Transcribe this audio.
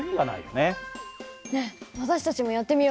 ねえ私たちもやってみようよ。